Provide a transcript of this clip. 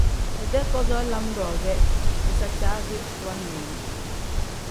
Idee kazoo lam-ro ge izicaasi wannii yi.